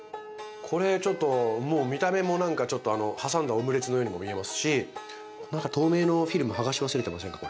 これちょっともう見た目もなんか挟んだオムレツのようにも見えますし何か透明のフィルムはがし忘れてませんか？